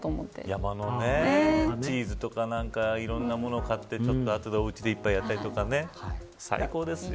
山のチーズだとかいろいろなものを買ってあとで、おうちで一杯やったりとかね、最高ですね。